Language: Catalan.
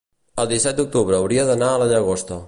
el disset d'octubre hauria d'anar a la Llagosta.